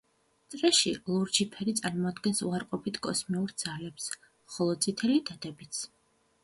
წრეში ლურჯი ფერი წარმოადგენს უარყოფით კოსმიურ ძალებს ხოლო წითელი დადებითს.